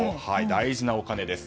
大事なお金です。